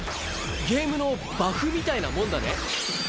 ゲームのバフみたいなもんだね。